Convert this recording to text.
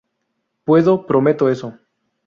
Puedo Prometo eso.